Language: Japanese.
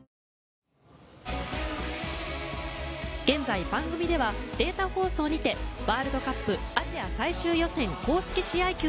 現在、番組ではデータ放送にてワールドカップアジア最終予選公式試合